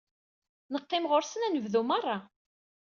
Neqqim ɣur-sen anebdu merra.